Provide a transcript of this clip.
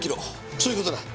そういう事だ。